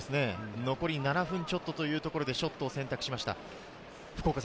残り７分ちょっとでショットを選択しました。